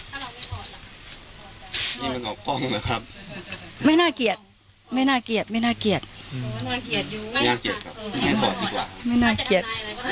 ไม่น่าเกลียดไม่น่าเกลียดไม่น่าเกลียดไม่น่าเกลียดไม่น่าเกลียด